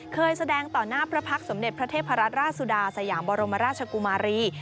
เคยแสดงต่อหน้าพระพักษ์สมเด็จพระเทพรัตนราชสุดาสยามบรมราชกุมารี